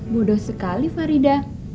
bodoh sekali farida